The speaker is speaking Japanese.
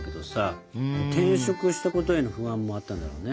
転職したことへの不安もあったんだろうね。